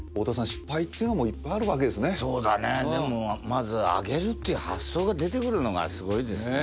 失敗っていうのもいっぱいあるわけですねそうだねでもまずは揚げるっていう発想が出てくるのがすごいですね